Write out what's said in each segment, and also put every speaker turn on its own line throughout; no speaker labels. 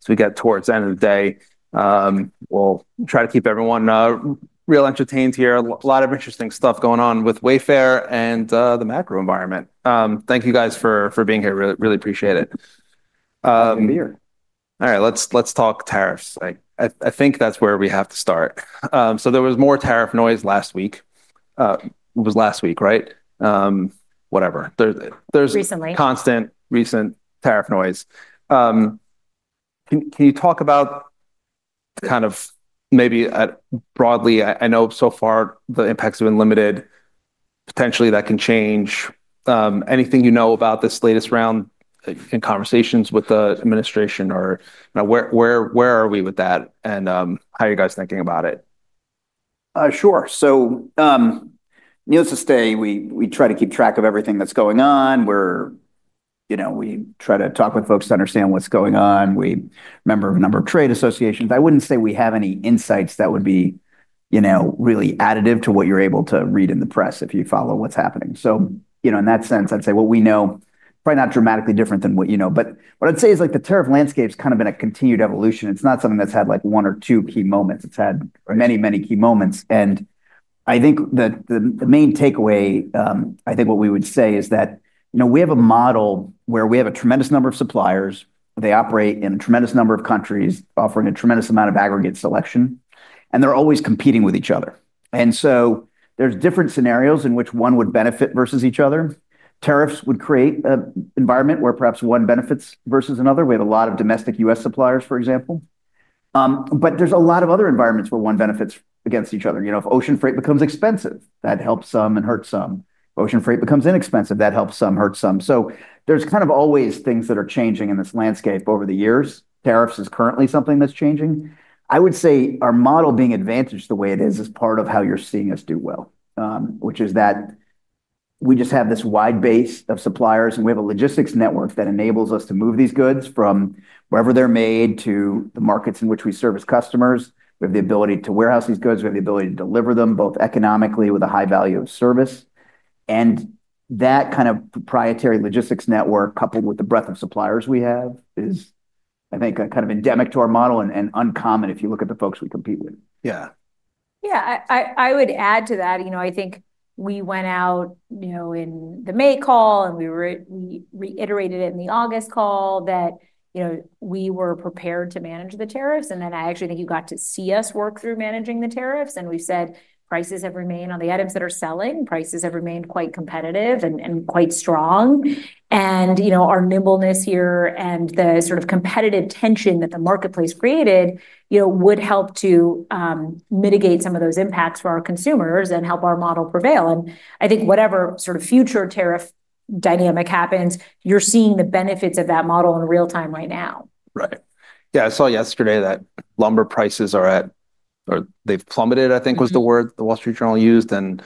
So we get towards the end of the day. We'll try to keep everyone real entertained here. A lot of interesting stuff going on with Wayfair and the macro environment. Thank you guys for for being here. Really, really appreciate it.
Nice to be here.
Alright. Let's let's talk tariffs. Like, I I think that's where we have to start. So there was more tariff noise last week. It was last week. Right? Whatever. There
there's Recently.
Constant recent tariff noise. Can can you talk about kind of maybe broadly? I know so far, the impacts have been limited. Potentially, can change. Anything you know about this latest round in conversations with the administration? Or, you know, where where where are we with that, and how are you guys thinking about it?
Sure. So needless to stay, we we try to keep track of everything that's going on. We're you know, we try to talk with folks to understand what's going on. We member of a number of trade associations. I wouldn't say we have any insights that would be, you know, really additive to what you're able to read in the press if you follow what's happening. So, you know, in that sense, I'd say, well, we know, by not dramatically different than what you know. But what I'd say is, like, the tariff landscape has kind of been a continued evolution. It's not something that's had, like, one or two key moments. It's had many, many key moments. And I think that the the main takeaway, I think what we would say is that, know, we have a model where we have a tremendous number of suppliers. They operate in a tremendous number of countries, offering a tremendous amount of aggregate selection, and they're always competing with each other. And so there's different scenarios in which one would benefit versus each other. Tariffs would create an environment where perhaps one benefits versus another. We have a lot of domestic US suppliers, for example. But there's a lot of other environments where one benefits against each other. You know, if ocean freight becomes expensive, that helps some and hurts some. If ocean freight becomes inexpensive, that helps some, hurts some. So there's kind of always things that are changing in this landscape over the years. Tariffs is currently something that's changing. I would say our model being advantaged the way it is is part of how you're seeing us do well, which is that we just have this wide base of suppliers, and we have a logistics network that enables us to move these goods from wherever they're made to the markets in which we service customers. We have the ability to warehouse these goods. Have the ability to deliver them both economically with a high value service. And that kind of proprietary logistics network coupled with the breadth of suppliers we have is, I think, kind of endemic to our model and and uncommon if you look at the folks we compete with.
Yeah.
Yeah. I I I would add to that. You know, I think we went out, you know, in the May call, and we were we reiterated it in the August call that, you know, we were prepared to manage the tariffs. And then I actually think you got to see us work through managing the tariffs, and we said prices have remained on the items that are selling. Prices have remained quite competitive and and quite strong. And, you know, our nimbleness here and the sort of competitive tension that the marketplace created, you know, would help to mitigate some of those impacts for our consumers and help our model prevail. And I think whatever sort of future tariff dynamic happens, you're seeing the benefits of that model in real time right now.
Right. Yeah. I saw yesterday that lumber prices are at or they've plummeted, I think, the word The Wall Street Journal used, and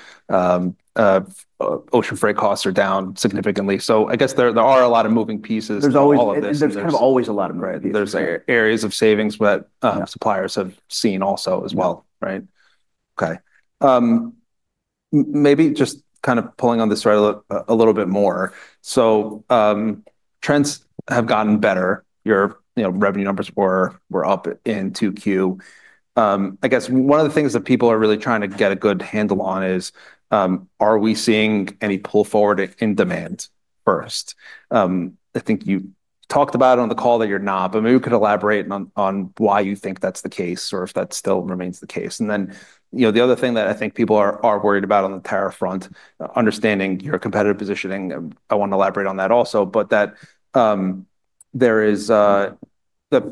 ocean freight costs are down significantly. So I guess there there are a lot of moving pieces to all of There's kind of always a lot of variety. There's areas of savings that suppliers have seen also as well. Right? Okay. Maybe just kind of pulling on this a little bit more. So trends have gotten better. Your revenue numbers were up in 2Q. I guess one of the things that people are really trying to get a good handle on is, we seeing any pull forward in demand first? I think you talked about on the call that you're not, but maybe you could elaborate on on why you think that's the case or if that still remains the case. And then, you know, the other thing that I think people are are worried about on the tariff front, understanding your competitive positioning, I wanna elaborate on that also, but that there is that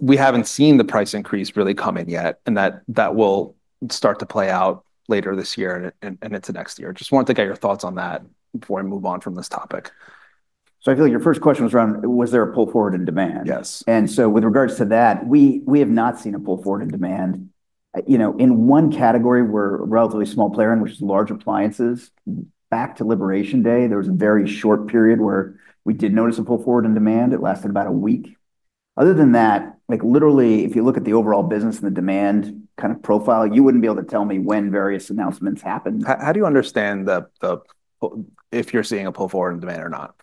we haven't seen the price increase really come in yet, and that that will start to play out later this year and and and into next year. Just wanted to get your thoughts on that before I move on from this topic.
So I feel like your first question was around, was there a pull forward in demand? Yes. And so with regards to that, we we have not seen a pull forward in demand. You know, in one category, we're a relatively small player in, which is large appliances. Back to liberation day, there was a very short period where we did notice a pull forward in demand. It lasted about a week. Other than that, like, literally, if you look at the overall business and the demand kind of profile, you wouldn't be able to tell me when various announcements happened.
How how do you understand the the if you're seeing a pull forward in demand or not?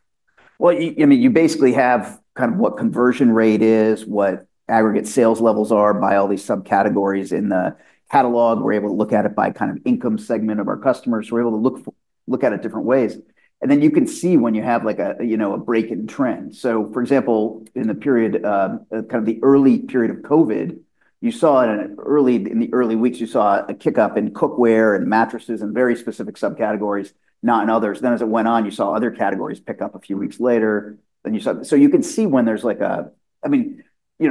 Well, you you mean, you basically have kind of what conversion rate is, what aggregate sales levels are by all these subcategories in the catalog. We're able to look at it by kind of income segment of our customers. We're able to look look at it different ways. And then you can see when you have like a break in trend. So for example, in the period, kind of the early period of COVID, you saw it in early in the early weeks, you saw a kick up in cookware and mattresses and very specific subcategories, not in others. Then as it went on, you saw other categories pick up a few weeks later. Then you saw so you can see when there's like a I mean,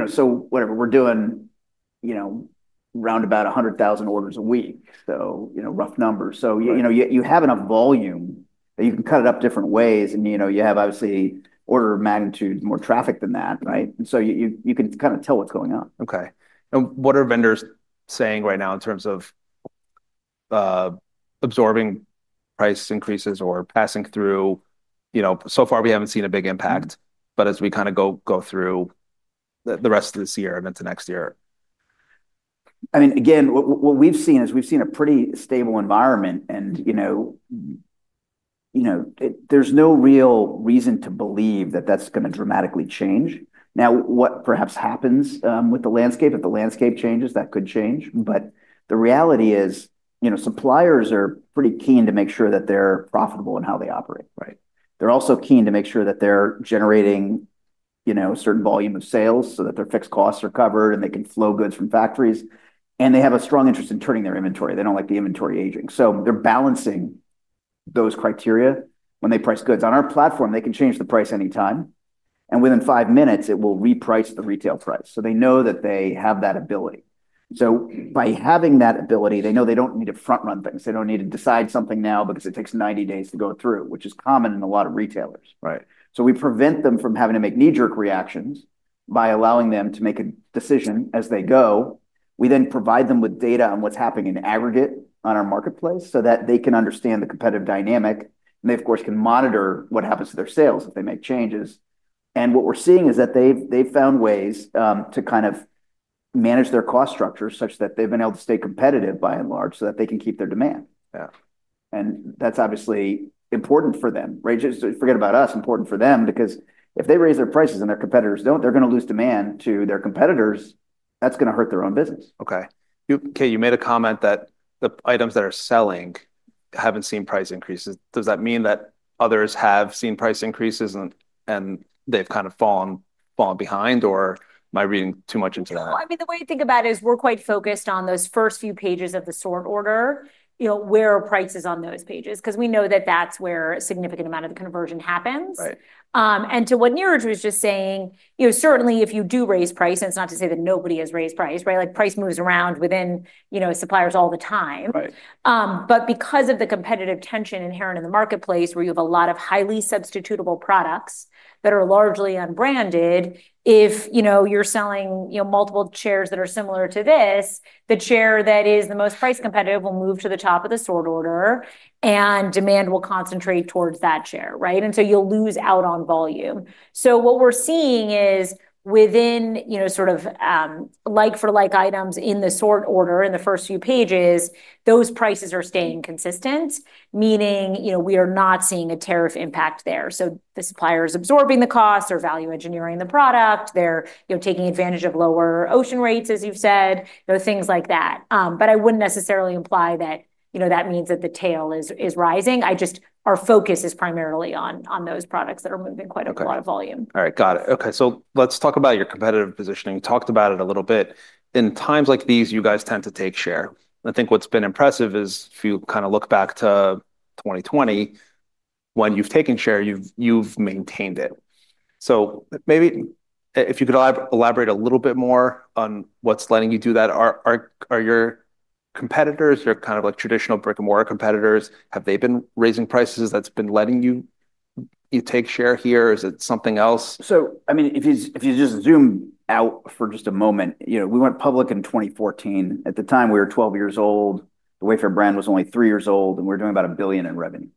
so whatever we're doing, roundabout a 100,000 orders a week, so rough numbers. So you have enough volume that you can cut it up different ways, and, know, you have, obviously, order of magnitude more traffic than that. Right? And so you you you can kinda tell what's going on.
Okay. And what are vendors saying right now in terms of absorbing price increases or passing through? So far, we haven't seen a big impact, but as we kind of go through rest of this year and into next year.
I mean, again, what we've seen is we've seen a pretty stable environment. And you know, there's no real reason to believe that that's gonna dramatically change. Now what perhaps happens with the landscape? If the landscape changes, that could change. But the reality is, you know, suppliers are pretty keen to make sure that they're profitable in how they operate. Right? They're also keen to make sure that they're generating, you know, certain volume of sales so that their fixed costs are covered and they can flow goods from factories, and they have a strong interest in turning their inventory. They don't like the inventory aging. So they're balancing those criteria when they price goods. On our platform, they can change the price anytime. And within five minutes, it will reprice the retail price. So they know that they have that ability. So by having that ability, they know they don't need to front run things. They don't need to decide something now because it takes ninety days to go through, which is common in a lot of retailers. Right. So we prevent them from having to make knee jerk reactions by allowing them to make a decision as they go. We then provide them with data on what's happening in aggregate on our marketplace so that they can understand the competitive dynamic, They, of course, can monitor what happens to their sales if they make changes. And what we're seeing is that they've they've found ways to kind of manage their cost structure such that they've been able to stay competitive by and large so that they can keep their demand. Yeah. And that's obviously important for them. Right? Just forget about us. Important for them because if they raise their prices and their competitors don't, they're gonna lose demand to their competitors. That's gonna hurt their own business.
Okay. You Kaye, you made a comment that the items that are selling haven't seen price increases. Increases. Does that mean that others have seen price increases and and they've kind of fallen fallen behind, or am I reading too much into that?
Well, I mean, the way to think about it is we're quite focused on those first few pages of the sort order, you know, where are prices on those pages? Because we know that that's where a significant amount of the conversion happens. Right. And to what Niraj was just saying, you know, certainly, if you do raise price, and it's not to say that nobody has raised price. Right? Like, price moves around within, you know, suppliers all the time. Right. But because of the competitive tension inherent in the marketplace where you have a lot of highly substitutable products that are largely unbranded, if, you know, you're selling, you know, multiple chairs that are similar to this, the chair that is the most price competitive will move to the top of the sort order, and demand will concentrate towards that chair. Right? And so you'll lose out on volume. So what we're seeing is within, you know, sort of like for like items in the sort order in the first few pages, those prices are staying consistent, meaning, you know, we are not seeing a tariff impact there. So the supplier is absorbing the costs or value engineering the product. They're, you know, taking advantage of lower ocean rates, as you've said, you know, things like that. But I wouldn't necessarily imply that, you know, that means that the tail is is rising. I just our focus is primarily on on those products that are moving quite a lot of volume.
Alright. Got it. Okay. So let's talk about your competitive positioning. You talked about it a little bit. In times like these, you guys tend to take share. I think what's been impressive is if you kinda look back to 2020, when you've taken share, you've you've maintained it. So maybe if you could elaborate a little bit more on what's letting you do that. Are are are your competitors, your kind of like traditional brick and mortar competitors, have they been raising prices that's been letting you you take share here? Is it something else?
So, I mean, if you if you just zoom out for just a moment, you know, we went public in 2014. At the time, we were 12 years old. The Wayfair brand was only three years old, and we're doing about a billion in revenue.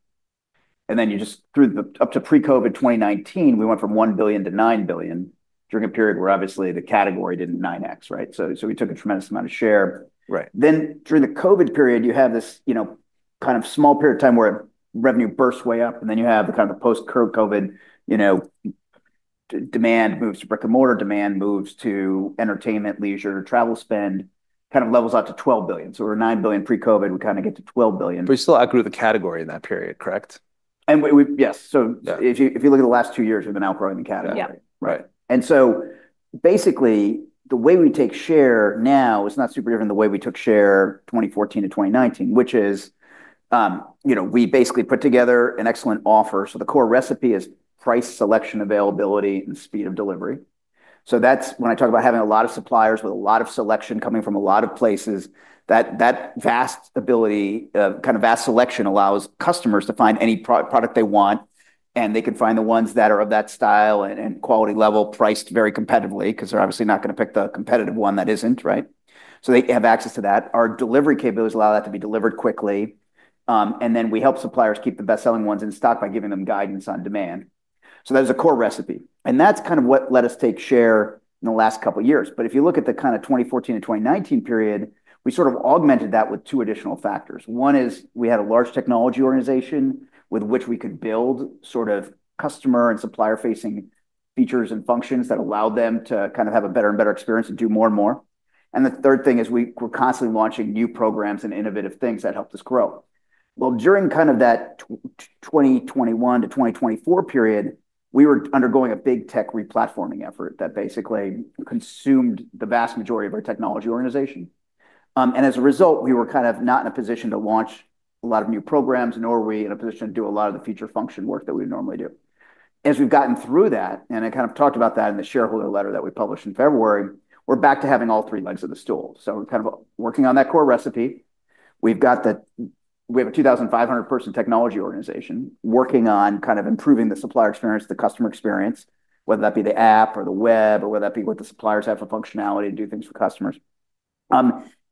And then you just through the up to pre COVID 2019, we went from 1,000,000,000 to 9,000,000,000 during a period where, obviously, the category didn't nine x. Right? So so we took a tremendous amount of share.
Right.
Then during the COVID period, you have this, you know, kind of small period of time where revenue bursts way up, and then you have the kind of post COVID, you know, demand moves to brick and mortar. Demand moves to entertainment, leisure, travel spend, kind of levels out to 12,000,000,000. So we're 9,000,000,000. Pre COVID, kinda get to 12,000,000,000.
But you still outgrew the category in that period. Correct?
And we we yes. So Yeah. If you if you look at the last two years, we've been outgrowing the category. Right. And so, basically, the way we take share now is not superior than the way we took share 2014 to 2019, which is, we basically put together an excellent offer. So the core recipe is price selection availability and speed of delivery. So that's when I talk about having a lot of suppliers with a lot of selection coming from a lot of places, that that vast ability, kind of vast selection allows customers to find any product they want, and they can find the ones that are of that style and and quality level priced very competitively because they're obviously not gonna pick the competitive one that isn't. Right? So they have access to that. Our delivery capabilities allow that to be delivered quickly. And then we help suppliers keep the best selling ones in stock by giving them guidance on demand. So that's a core recipe, and that's kind of what let us take share But if you look at the kinda 2014 and 2019 period, we sort of augmented that with two additional factors. One is we had a large technology organization with which we could build sort of customer and supplier facing features and functions that allow them to kind of have a better and better experience and do more and more. And the third thing is we we're constantly launching new programs and innovative things that helped us grow. Well, during kind of that 2021 to 2024 period, we were undergoing a big tech replatforming effort that basically consumed the vast majority of our technology organization. And as a result, we were kind of not in a position to launch a lot of new programs nor are we in a position to do a lot of the feature function work that we normally do. As we've gotten through that, and I kind of talked about that in the shareholder letter that we published in February, we're back to having all three legs of the stool. So we're kind of working on that core recipe. We've got that we have a 2,500 person technology organization working on kind of improving the supplier experience, the customer experience, whether that be the app or the web or whether that be what the suppliers have for functionality to do things for customers.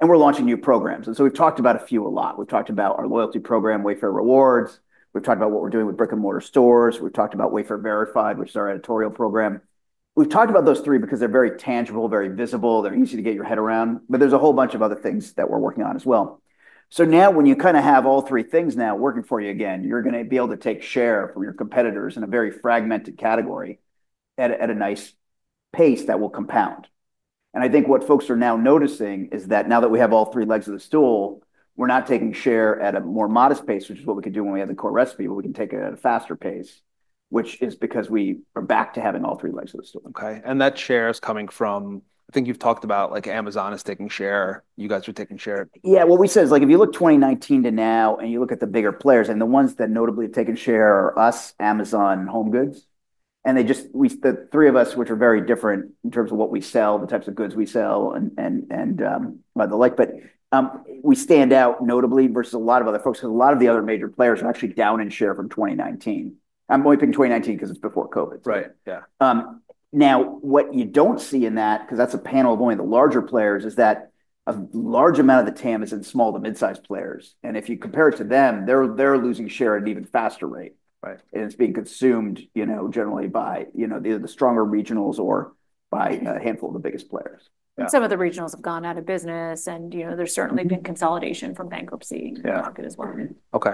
And we're launching new programs. And so we've talked about a few a lot. We've talked about our loyalty program, Wayfair Rewards. We've talked about what we're doing with brick and mortar stores. We've talked about Wayfair Verified, which is our editorial program. We've talked about those three because they're very tangible, very visible. They're easy to get your head around, but there's a whole bunch of other things that we're working on as well. So now when you kinda have all three things now working for you again, you're gonna be able to take share from your competitors in a very fragmented category at at a nice pace that will compound. And I think what folks are now noticing is that now that we have all three legs of the stool, we're not taking share at a more modest pace, which is what we could do when we had the core recipe, but we can take it at a faster pace, which is because we are back to having all three legs of the stool.
Okay. And that share is coming from I think you've talked about, like, Amazon is taking share. You guys are taking share.
Yeah. What we said is, like, if you look 2019 to now and you look at the bigger players and the ones that notably have taken share are us, Amazon, HomeGoods. And they just we the three of us, which are very different in terms of what we sell, the types of goods we sell and and and the like, but we stand out notably versus a lot of other folks. A lot of the other major players are actually down in share from 2019. I'm only picking 2019 because it's before COVID.
Right. Yeah.
Now what you don't see in that, because that's a panel of only the larger players, is that a large amount of the TAM is in small to midsize players. And if you compare it to them, they're they're losing share at an even faster rate. Right. And it's being consumed, you know, generally by, you know, the the stronger regionals or by a handful of the biggest players.
Yeah. Some of the regionals have gone out of business, and, you know, there's certainly been consolidation from bankruptcy the market as well.
Okay.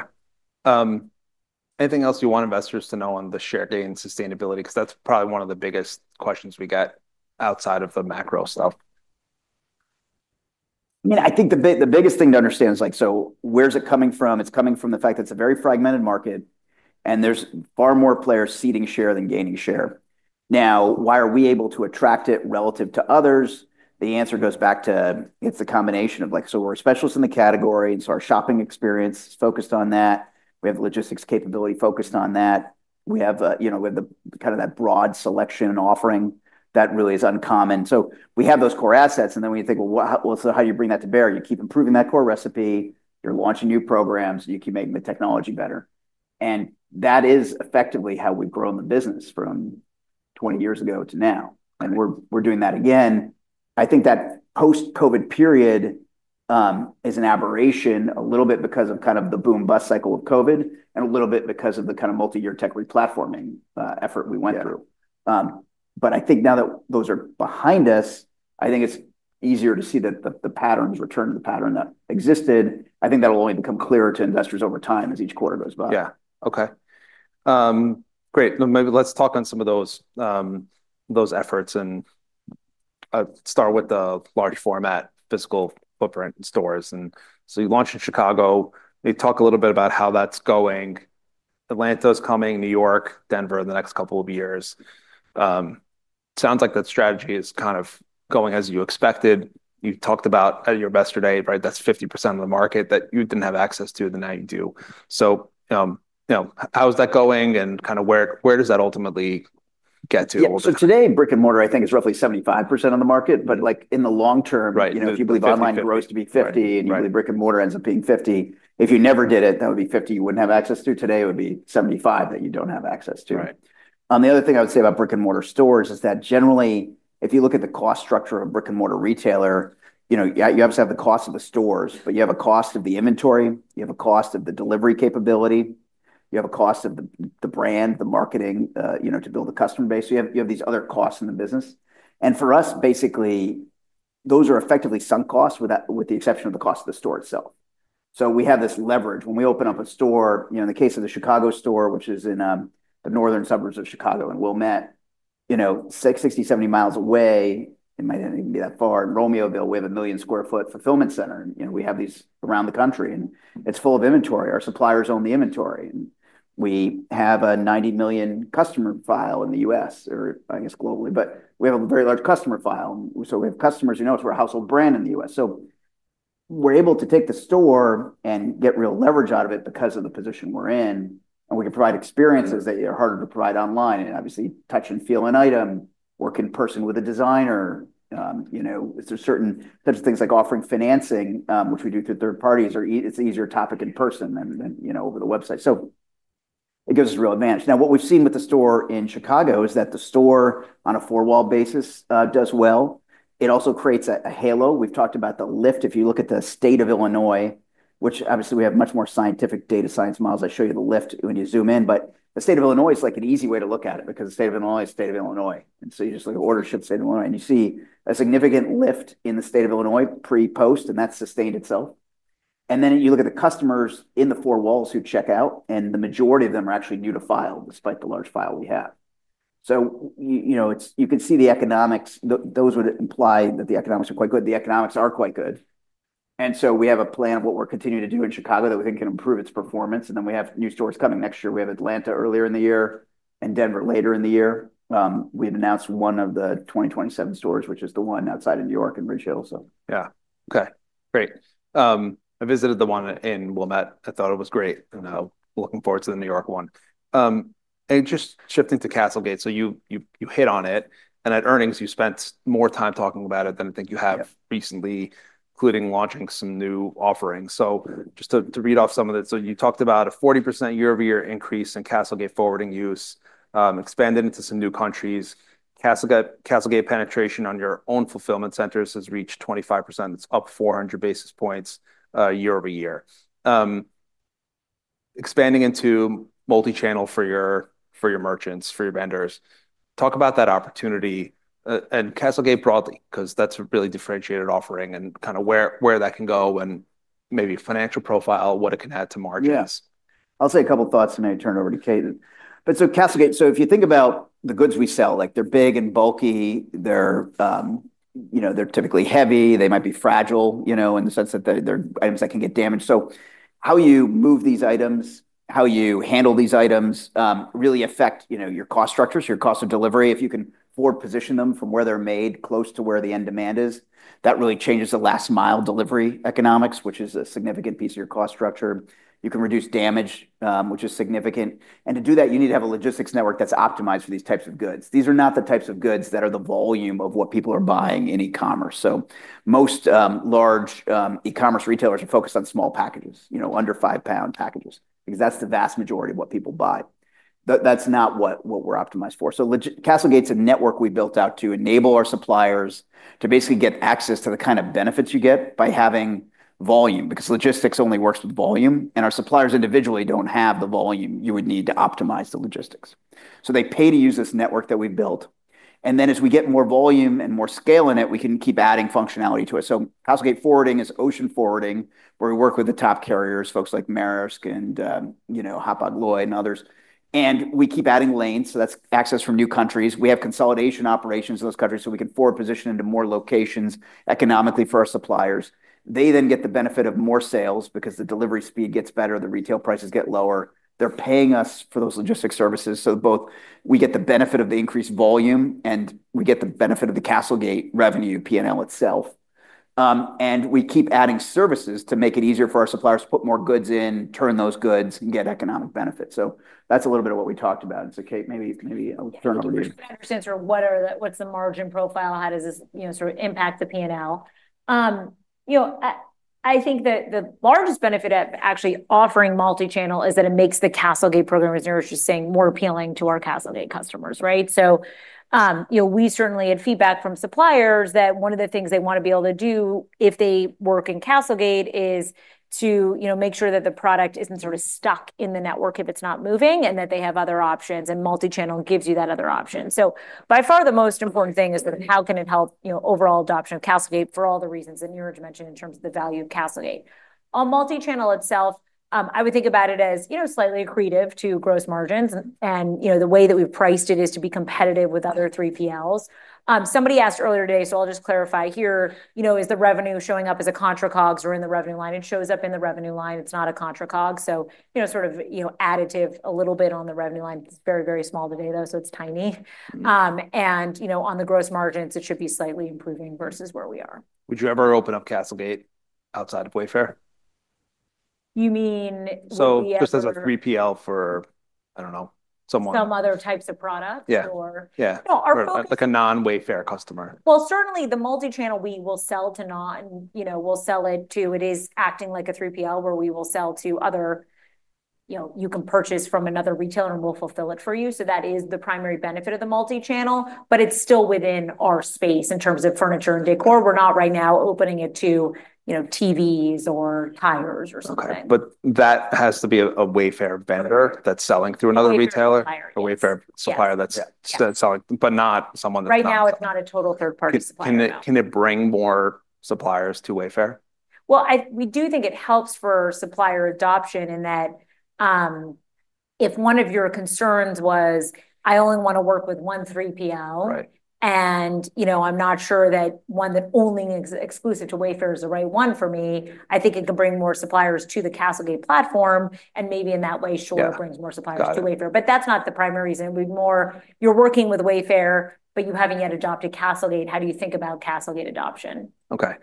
Anything else you want investors to know on the share gain sustainability? Because that's probably one of the biggest questions we get outside of the macro stuff.
Yeah. I think the big the biggest thing to understand is, like, so where is it coming from? It's coming from the fact that it's a very fragmented market, and there's far more players seeding share than gaining share. Now why are we able to attract it relative to others? The answer goes back to it's a combination of, like, so we're specialists in the category, so our shopping experience is focused on that. We have logistics capability focused on that. We have a you know, with the kind of that broad selection and offering that really is uncommon. So we have those core assets, then when you think, how well, so how do you bring that to bear? You keep improving that core recipe. You're launching new programs, and you keep making the technology better. And that is effectively how we've grown the business from twenty years ago to now, and we're we're doing that again. I think that post COVID period is an aberration a little bit because of kind of the boom bust cycle of COVID and a little bit because of the kind of multiyear tech replatforming effort we went through. But I think now that those are behind us, I think it's easier to see that the the patterns return to the pattern that existed. I think that will only become clearer to investors over time as each quarter goes by. Yeah.
Okay. Great. Then maybe let's talk on some of those, those efforts and start with the large format fiscal footprint in stores. And so you launched in Chicago. Can you talk a little bit about how that's going? Atlanta's coming, New York, Denver in the next couple of years. Sounds like that strategy is kind of going as you expected. You talked about at your investor day, right, that's 50% of the market that you didn't have access to, and now you do. So, you know, how is that going, and kinda where where does that ultimately get to?
So today, brick and mortar, I think, is roughly 75% on the market. But, like, in the long term Right. You know, if believe online grows to be 50 and you believe brick and mortar ends up being 50, if you never did it, that would be 50 you wouldn't have access to. Today, it would be 75 that you don't have access to. Right. The other thing I would say about brick and mortar stores is that generally, if you look at the cost structure of brick and mortar retailer, you obviously have the cost of the stores, but you have a cost of the inventory, you have a cost of the delivery capability, you have a cost of the the brand, the marketing, you know, to build the customer base. You have you have these other costs in the business. And for us, basically, those are effectively some costs with that with the exception of the cost of the store itself. So we have this leverage. When we open up a store, you know, in the case of the Chicago store, which is in the Northern Suburbs of Chicago in Wilmette, you know, six sixty, seventy miles away, it might not even be that far. In Romeoville, we have a million square foot fulfillment center. You know, we have these around the country, and it's full of inventory. Our suppliers own the inventory. We have a 90,000,000 customer file in The US or, I guess, globally, but we have a very large customer file. So we have customers, you know, it's a household brand in The US. So we're able to take the store and get real leverage out of it because of the position we're in, and we can provide experiences that are harder to provide online and, obviously, touch and feel an item, work in person with a designer. You know, it's a certain such things like offering financing, which we do to third parties are e it's easier topic in person than than, you know, over the website. So it gives us a real advantage. Now what we've seen with the store in Chicago is that the store on a four wall basis does well. It also creates a halo. We've talked about the lift. If you look at the state of Illinois, which, obviously, we have much more scientific data science models. I show you the lift when you zoom in. But the state of Illinois is, like, an easy way to look at it because the state of Illinois is state of Illinois. And so you just, order ship state of Illinois, and you see a significant lift in the state of Illinois pre post, and that sustained itself. And then you look at the customers in the four walls who check out, and the majority of them are actually new to file despite the large file we have. So, you know, it's you could see the economics. Those would imply that the economics are quite good. The economics are quite good. And so we have a plan of what we're continuing to do in Chicago that we think can improve its performance, and then we have new stores coming next year. We have Atlanta earlier in the year and Denver later in the year. We had announced one of the twenty twenty seven stores, which is the one outside of New York in Ridge Hill. So
Yeah. Okay. Great. I visited the one in Wilmette. I thought it was great, and now looking forward to the New York one. And just shifting to CastleGate, so you you hit on it. And at earnings, you spent more time talking about it than I think you have recently, including launching some new offerings. So just to to read off some of it, so you talked about a 40% year over year increase in CastleGate forwarding use, expanding into some new countries. CastleGate penetration on your own fulfillment centers has reached 25%. It's up 400 basis points year over year. Expanding into multichannel for your merchants, for your vendors. Talk about that opportunity and CastleGate broadly because that's a really differentiated offering and kind of where that can go and maybe financial profile, what it can add to margins.
Yes. I'll say a couple of thoughts, and then I'll turn it over to Kaden. But so, CastleGate, so if you think about the goods we sell, like, they're big and bulky. They're, you know, they're typically heavy. They might be fragile, you know, in the sense that they they're items that can get damaged. So how you move these items, how you handle these items really affect your cost structures, your cost of delivery. If you can forward position them from where they're made close to where the end demand is, that really changes the last mile delivery economics, which is a significant piece of your cost structure. You can reduce damage, which is significant. And to do that, you need to have a logistics network that's optimized for these types of goods. These are not the types of goods that are the volume of what people are buying in ecommerce. So most large ecommerce retailers are focused on small packages, you know, under £5 packages because that's the vast majority of what people buy. That that's not what what we're optimized for. So lit CastleGate's a network we built out to enable our suppliers to basically get access to the kind of benefits you get by having volume because logistics only works with volume, and our suppliers individually don't have the volume you would need to optimize the logistics. So they pay to use this network that we built. And then as we get more volume and more scale in it, we can keep adding functionality to it. So house gate forwarding is ocean forwarding where we work with the top carriers, folks like Maersk and you know, and others. And we keep adding lanes, so that's access from new countries. We have consolidation operations in those countries so we can forward position into more locations economically for our suppliers. They then get the benefit of more sales because the delivery speed gets better, the retail prices get lower. They're paying us for those logistics services. So both we get the benefit of the increased volume, and we get the benefit of the CastleGate revenue p and l itself. And we keep adding services to make it easier for our suppliers to put more goods in, turn those goods, and get economic benefit. So that's a little bit of what we talked about. And so, Kate, maybe you can maybe I'll turn it over to you.
Better sense of what are the what's the margin profile? How does this, you know, sort of impact the p and l? You know, I think that the largest benefit of offering multichannel is that it makes the CastleGate program, as you're just saying, more appealing to our CastleGate customers. Right? So, you know, we certainly had feedback from suppliers that one of the things they wanna be able to do if they work in CastleGate is to, you know, make sure that the product isn't sort of stuck in the network if it's not moving and that they have other options, and multichannel gives you that other option. So by far, the most important thing is that how can it help, you know, overall adoption of CastleGate for all the reasons that Niraj mentioned in terms of the value of CastleGate. On multichannel itself, itself, I would think about it as, you know, slightly accretive to gross margins. And, you know, the way that we've priced it is to be competitive with other three p l's. Somebody asked earlier today, so I'll just clarify here, you know, is the revenue showing up as a contra cogs or in the revenue line? It shows up in the revenue line. It's not a contra cogs. So, you know, sort of, you know, additive a little bit on the revenue line. It's very, very small today, though, so it's tiny. And, you know, on the gross margins, it should be slightly improving versus where we are.
Would you ever open up CastleGate outside of Wayfair?
You mean
So because there's a three p l for, I don't know, someone.
Some other types of products?
Yeah. Or Yeah.
No. Our folks
like a non Wayfair customer.
Well, certainly, the multichannel, we will sell to non you know, we'll sell it to it is acting like a three p l where we will sell to other you know, you can purchase from another retailer, we'll fulfill it for you. So that is the primary benefit of the multichannel, but it's still within our space in terms of furniture and decor. We're not right now opening it to, you know, TVs or tires or something.
But that has to be a Wayfair vendor that's selling through another retailer. A Wayfair supplier that's that's selling, but not someone that's
not it's not a total third party supplier.
Can it can it bring more suppliers to Wayfair?
Well, I we do think it helps for supplier adoption in that, if one of your concerns was, I only wanna work with one three p l Right. And, you know, I'm not sure that one that only ex exclusive to Wayfair is the right one for me. I think it can bring more suppliers to the CastleGate platform, and maybe in that way, Shore brings more suppliers to Wayfair. But that's not the primary reason. We'd more you're working with Wayfair, but you haven't yet adopted CastleGate. How do you think about CastleGate adoption?
Okay.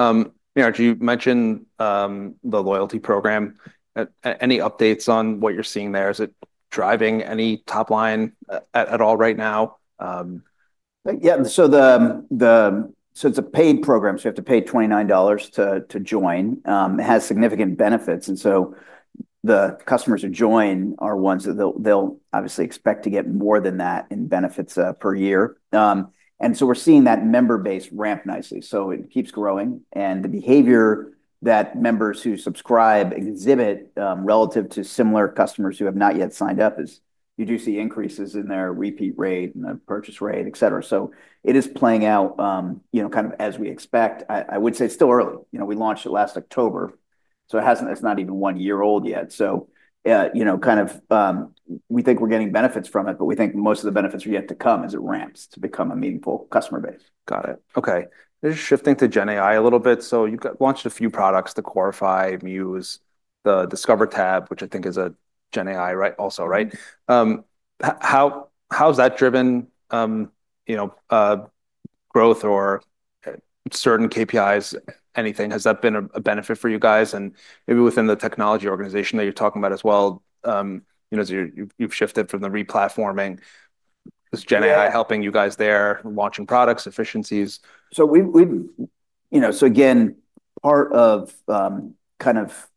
Yaraj, you mentioned, the loyalty program. Any updates on what you're seeing there? Is it driving any top line at at all right now?
Yeah. So the the so it's a paid program, so you have to pay $29 to to join. It has significant benefits. And so the customers who join are ones that they'll they'll obviously expect to get more than that in benefits per year. So And we're seeing that member base ramp nicely. So it keeps growing. And the behavior that members who subscribe exhibit relative to similar customers who have not yet signed up is you do see increases in their repeat rate and purchase rate, etcetera. So it is playing out, you know, kind of as we expect. I I would say it's still early. You know, we launched it last October, so it hasn't it's not even one year old yet. So, you know, kind of, we think we're getting benefits from it, but we think most of the benefits are yet to come as it ramps to become a meaningful customer base.
Got it. Okay. Just shifting to GenAI a little bit. So you got launched a few products, the Quarify, Muse, the Discover tab, which I think is a GenAI, right, also. Right? How how has that driven, you know, growth or certain KPIs, anything, has that been a a benefit for you guys? And maybe within the technology organization that you're talking about as well, you know, you're you've you've shifted from the replatforming. Is GenAI helping you guys there launching products, efficiencies?
So we we you know, so, again, part of, kind of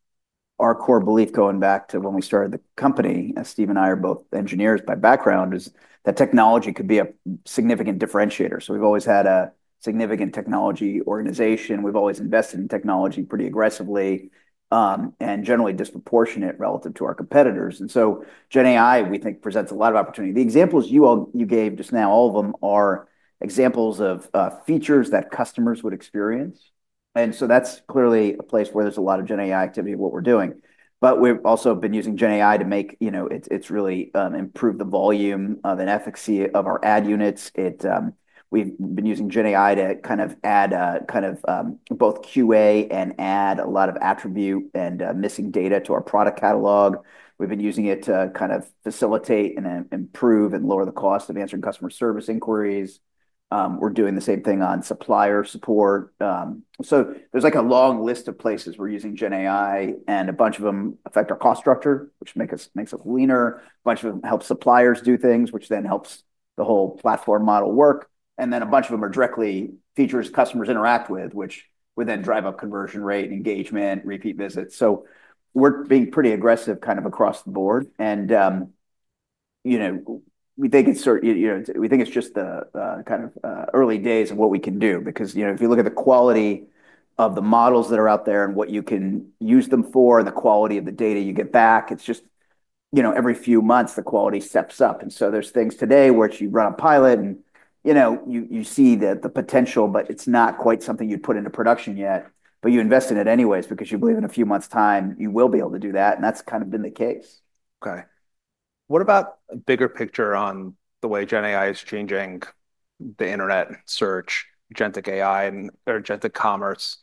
our core belief going back to when we started the company, as Steve and I are both engineers by background, is that technology could be a significant differentiator. So we've always had a significant technology organization. We've always invested in technology pretty aggressively, and generally disproportionate relative to our competitors. And so GenAI, we think, presents a lot of opportunity. The examples you all you gave just now, all of them are examples of features that customers would experience. And so that's clearly a place where there's a lot of Gen AI activity of what we're doing. But we've also been using Gen AI to make you know, it's it's really improved the volume of an efficacy of our ad units. It we've been using GenAI to kind of add a kind of both QA and add a lot of attribute and missing data to our product catalog. We've been using it to kind of facilitate and improve and lower the cost of answering customer service inquiries. We're doing the same thing on supplier support. So there's, like, a long list of places we're using GenAI, and a bunch of them affect our cost structure, which make us makes us leaner. A bunch of them help suppliers do things, which then helps the whole platform model work. And then a bunch of them are directly features customers interact with, which would then drive up conversion rate, engagement, repeat visits. So we're being pretty aggressive kind of across the board. And, you know, we think it's sort you you know, we think it's just the the kind of early days of what we can do because, you know, if you look at the quality of the models that are out there and what you can use them for and the quality of the data you get back, it's just you know, every few months, the quality steps up. And so there's things today where it's you run a pilot and, you know, you you see the the potential, but it's not quite something you'd put into production yet. But you invest in it anyways because you believe in a few months' time, you will be able to do that, and that's kind of been the case. K.
What about a bigger picture on the way Gen AI is changing the Internet search, Genetic AI, or Genetic Commerce,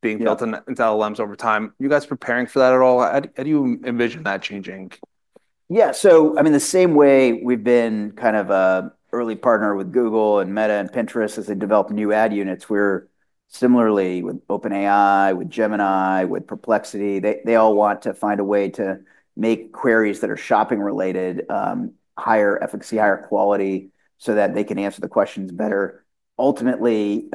being built in into LMs over time? Are you guys preparing for that at all? How how do you envision that changing?
Yeah. So, I mean, the same way we've been kind of a early partner with Google and Meta and Pinterest as they develop new ad units, we're similarly with OpenAI, with Gemini, with Perplexity. They they all want to find a way to make queries that are shopping related, higher efficacy, higher quality so that they can answer the questions better. Ultimately,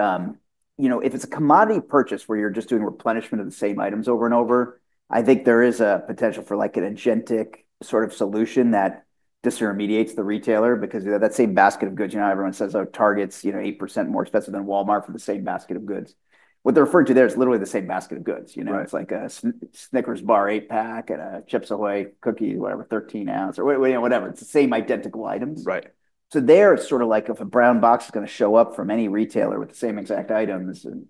you know, if it's a commodity purchase where you're just doing replenishment of the same items over and over, I think there is a potential for, like, an agentic sort of solution that disintermediates the retailer because, you know, that same basket of goods. You know, everyone says our target's, you know, 8% more expensive than Walmart for the same basket of goods. What they're referring to there is literally the same basket of goods. You know? It's like a Snickers bar eight pack and a Chips Ahoy cookie, whatever, 13 ounce or whatever. It's the same identical items. Right. So there, it's sort of like if a brown box is gonna show up from any retailer with the same exact items and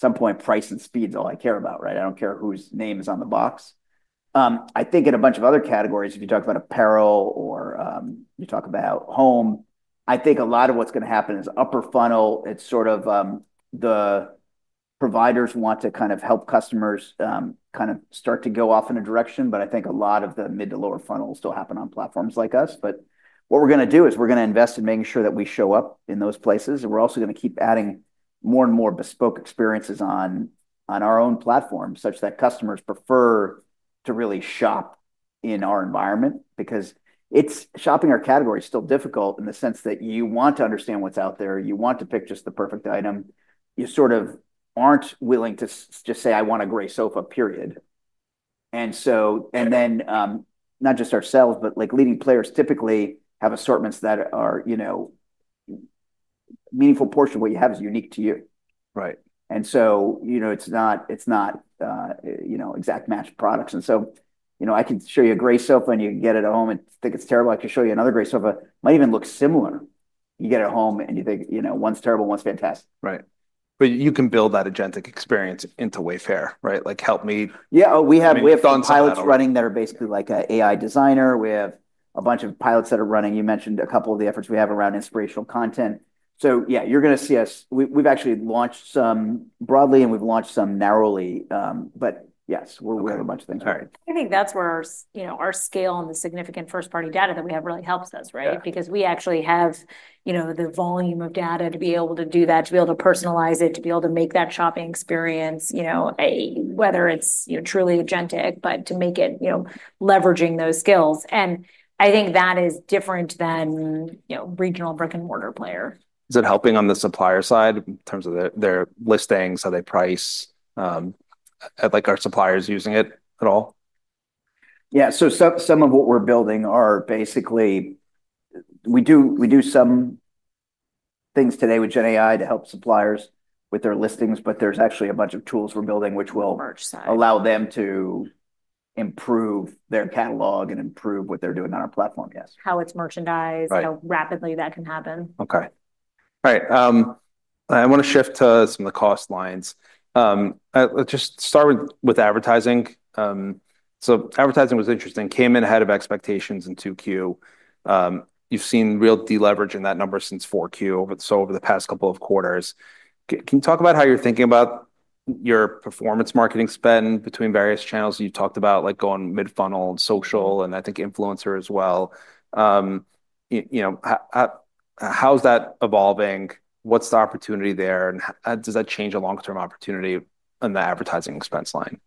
some point, price and speed is all I care about. Right? I don't care whose name is on the box. I think in a bunch of other categories, if you talk about apparel or, you talk about home, I think a lot of what's gonna happen is upper funnel. It's sort of, the providers want to kind of help customers, kind of start to go off in a direction, but I think a lot of the mid to lower funnels still happen on platforms like us. But what we're gonna do is we're gonna invest in making sure that we show up in those places, and we're also gonna keep adding more and more bespoke experiences on on our own platform such that customers prefer to really shop in our environment because it's shopping our category is still difficult in the sense that you want to understand what's out there. You want to pick just the perfect item. You sort of aren't willing to just say I want a gray sofa, period. And so and then, not just ourselves, but, like, leading players typically have assortments that are, you know, meaningful portion of what you have is unique to you. Right. And so, you know, it's not it's not, you know, exact match products. And so, you know, I can show you a gray sofa, and you can get it at home and think it's terrible. I can show you another gray sofa. It might even look similar. You get it at home, and you think, you know, one's terrible, one's fantastic. Right.
But you can build that agentic experience into Wayfair. Right? Like, help me Yeah.
We have we have pilots running that are basically like a AI designer. We have a bunch of pilots that are running. You mentioned a couple of the efforts we have around inspirational content. So, yeah, you're gonna see us. We we've actually launched some broadly, and we've launched some narrowly. But, yes, we're we have a bunch of things. Sorry.
I think that's where our, you know, our scale and the significant first party data that we have really helps us.
Right?
Because we actually have, you know, the volume of data to be able to do that, to be able to personalize it, to be able to make that shopping experience, you know, whether it's, you know, truly agentic, but to make it, you know, leveraging those skills. And I think that is different than, you know, regional brick and mortar player.
It helping on the supplier side in terms of their their listings, how they price?
Like, are suppliers using it at all? Yeah. So some some of what we're building are basically we do we do some things today with GenAI to help suppliers with their listings, but there's actually a bunch of tools we're building which will
Merch side.
Allow them to improve their catalog and improve what they're doing on our platform. Yes.
How it's merchandised, how rapidly that can happen.
Okay. Alright. I want to shift to some of the cost lines. Let's just start with advertising. So advertising was interesting, came in ahead of expectations in 2Q. You've seen real deleverage in that number since 4Q, so over the past couple of quarters. Can you talk about how you're thinking about your performance marketing spend between various channels you talked about, like going mid funnel and social and I think influencer as well? You you know, how's that evolving? What's the opportunity there? And does that change a long term opportunity on the advertising expense line?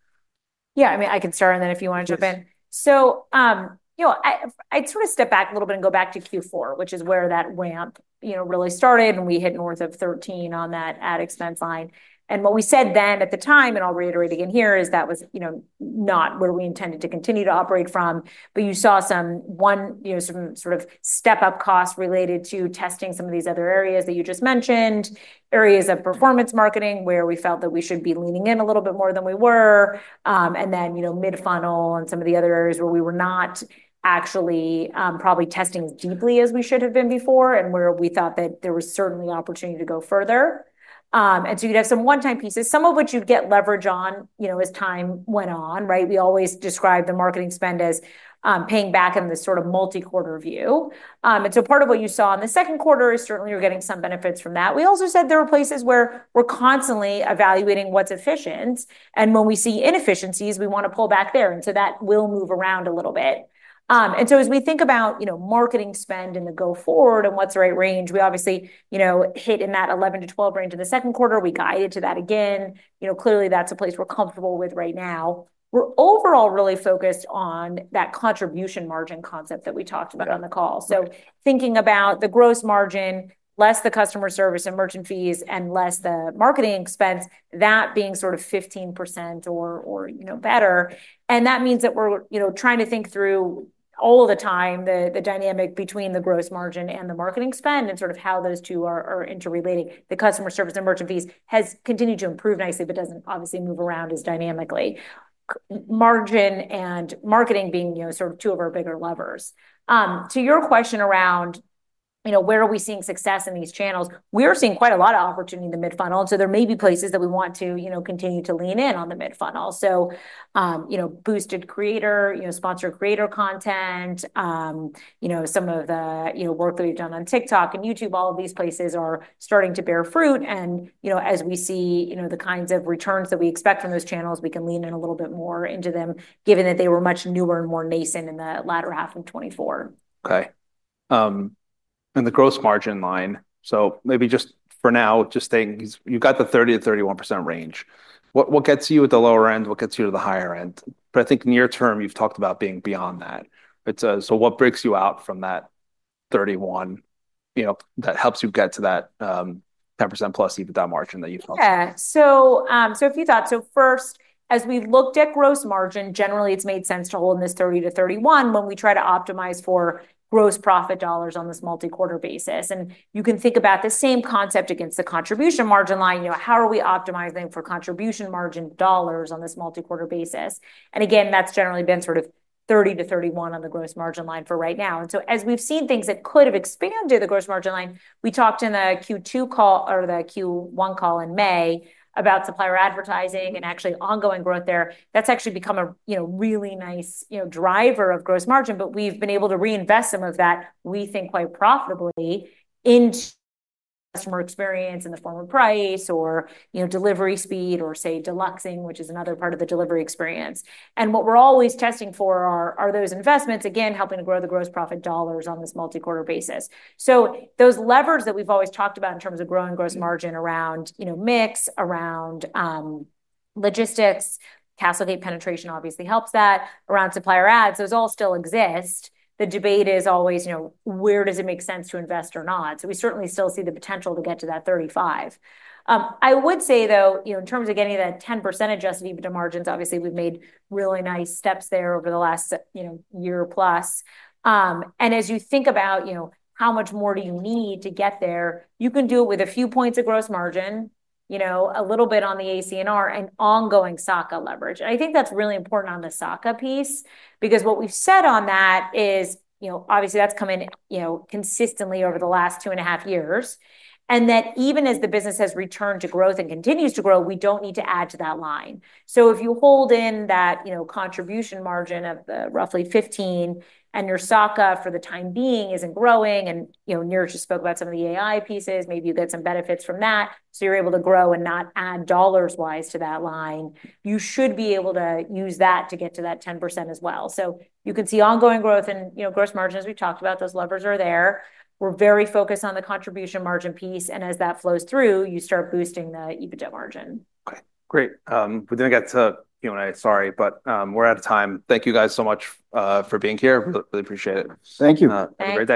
Yeah. I mean, I can start and then if you wanna jump So, you know, I I'd sort of step back a little bit and go back to q four, which is where that ramp, you know, really started, and we hit north of 13 on that ad expense line. And what we said then at the time, and I'll reiterate again here, is that was, you know, not where we intended to continue to operate from. But you saw some one, you know, some sort of step up costs related to testing some of these other areas that you just mentioned, areas of performance marketing where we felt that we should be leaning in a little bit more than we were, and then, you know, mid funnel and some of the other areas where we were not actually probably testing deeply as we should have been before and where we thought that there was certainly opportunity to go further. And so you got some onetime pieces, some of which you'd get leverage on, you know, as time went on. Right? We always describe the marketing spend as paying back in this sort of multi quarter view. And so part of what you saw in the second quarter is certainly you're getting some benefits from that. We also said there are places where we're constantly evaluating what's efficient. And when we see inefficiencies, we wanna pull back there, and so that will move around a little bit. And so as we think about, you know, marketing spend in the go forward and what's the right range, we obviously, you know, hit in that 11 to 12 range in the second quarter. We guided to that again. You know, clearly, that's a place we're comfortable with right now. We're overall really focused on that contribution margin concept that we talked about on the call. So thinking about the gross margin, less the customer service and merchant fees and less the marketing expense, that being sort of 15% or or, you know, better. And that means that we're, you know, trying to think through all the time the the dynamic between the gross margin and the marketing spend and sort of how those two are are interrelating. The customer service and merchant fees has continued to improve nicely, but doesn't obviously move around as dynamically. Margin and marketing being, you know, sort of two of our bigger levers. To your question around, you know, where are we seeing success in these channels, we are seeing quite a lot of opportunity in the mid funnel. So there may be places that we want to, you know, continue to lean in on the mid funnel. Funnel. So, you know, boosted creator, you know, sponsored creator content, you know, some of the, you know, work that we've done on TikTok and YouTube, all of these places are starting to bear fruit. And, you know, as we see, you know, the kinds of returns that we expect from those channels, we can lean in a little bit more into them given that they were much newer and more nascent in the latter half of '24.
K. And the gross margin line, so maybe just for now, just staying you've got the 30 to 31% range. What what gets you at the lower end? What gets you to the higher end? But I think near term, you've talked about being beyond that. It's a so what breaks you out from that 31, you know, that helps you get to that 10% plus EBITDA margin that you've talked about?
So so if you thought so first, as we looked at gross margin, generally, it's made sense to hold in this 30 to 31 when we try to optimize for gross profit dollars on this multi quarter basis. And you can think about the same concept against the contribution margin line. You know, how are we optimizing for contribution margin dollars on this multi quarter basis? And, again, that's generally been sort of 30 to 31 on the gross margin line for right now. And so as we've seen things that could have expanded the gross margin line, we talked in the q two call or the q one call in May about supplier advertising and actually ongoing growth there. That's actually become a, you know, really nice, you know, driver of gross margin, but we've been able to reinvest some of that, we think, quite profitably in experience in the form of price or, you know, delivery speed or, say, Deluxeing, which is another part of the delivery experience. And what we're always testing for are are those investments, again, helping to grow the gross profit dollars on this multi quarter basis. So those levers that we've always talked about in terms of growing gross margin around, you know, mix, around logistics, CastleGate penetration obviously helps that, around supplier ads, those all still exist. The debate is always, you know, where does it make sense to invest or not? So we certainly still see the potential to get to that 35. I would say, though, you know, in terms of getting that 10% adjusted EBITDA margins, obviously, we've made really nice steps there over the last, you know, year plus. And as you think about, you know, how much more do you need to get there, you can do it with a few points of gross margin, you know, a little bit on the AC and R and ongoing Saka leverage. And I think that's really important on the Saka piece because what we've said on that is, you know, obviously, that's coming, you know, consistently over the last two and a half years. And that even as the business has returned to growth and continues to grow, we don't need to add to that line. So if you hold in that, you know, contribution margin of roughly 15 and your SOC for the time being isn't growing and, you know, Neeraj just spoke about some of the AI pieces, maybe you get some benefits from that, so you're able to grow and not add dollars wise to that line, you should be able to use that to get to that 10% as well. So you can see ongoing growth in, you know, gross margin as we talked about. Those levers are there. We're very focused on the contribution margin piece. And as that flows through, you start boosting the EBITDA margin.
Okay. Great. We didn't get to q and a. Sorry. But we're out of time. Thank you guys so much for being here. We really appreciate it.
Thank you.
Thanks.
Great day.